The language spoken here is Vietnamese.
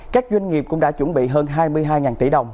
các doanh nghiệp cũng đã chuẩn bị hơn hai mươi hai tỷ đồng